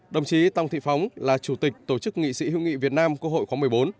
đồng chí tòng thị phóng là chủ tịch tổ chức nghị sĩ hữu nghị việt nam quốc hội khóa một mươi bốn